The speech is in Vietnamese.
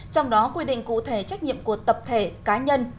trong đó quy định cụ thể trách nhiệm của tập thể cá nhân